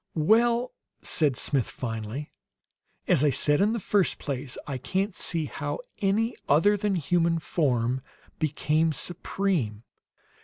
"Well," said Smith finally, "as I said in the first place, I can't see how any other than the human form became supreme.